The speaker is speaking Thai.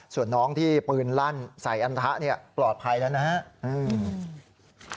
ส่วนน้องที่ปืนลั่นใส่อันทะปลอดภัยแล้วนะครับ